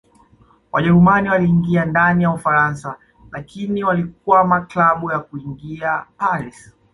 Wajerumani waliingia ndani ya Ufaransa lakini walikwama kabla ya kuingia Paris